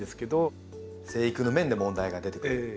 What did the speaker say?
生育の面で問題が出てくる。